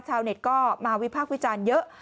ชาวเน็ตก็มาวิพากษ์วิจารณ์เยอะ